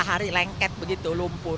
hari lengket begitu lumpur